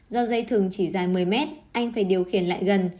do dây thường chỉ dài một mươi mét anh phải điều khiển lại gần